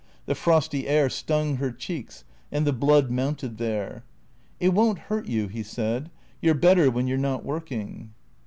The frosty air stung her cheeks and the blood mounted there. " It won't hurt you," he said. " You 're better when you 're not working."